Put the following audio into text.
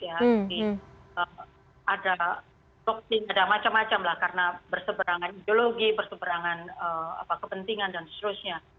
jadi ada dokting ada macam macam lah karena berseberangan biologi berseberangan kepentingan dan seterusnya